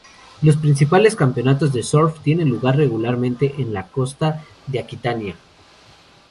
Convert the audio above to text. Los principales campeonatos de surf tienen lugar regularmente en la costa de Aquitania.